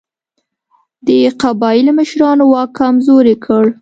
د قبایلي مشرانو واک کمزوری کړ.